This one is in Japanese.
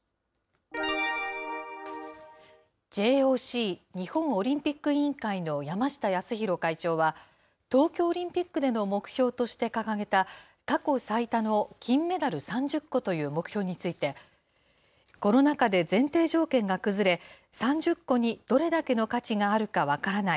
ＪＯＣ・日本オリンピック委員会の山下泰裕会長は、東京オリンピックでの目標として掲げた、過去最多の金メダル３０個という目標について、コロナ禍で前提条件が崩れ、３０個にどれだけの価値があるか分からない。